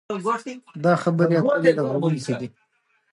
دا خبرې اترې رغوونکې دي.